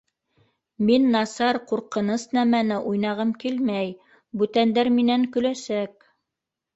Мин насар, ҡурҡыныс нәмәне уйнағым килмәй, бүтәндәр минән көләсәк.